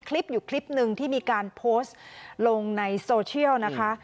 คลิปอยู่คลิปหนึ่งที่มีการโพสต์ลงในโซเชียลนะคะ